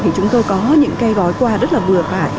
thì chúng tôi có những cây gói qua rất là vừa phải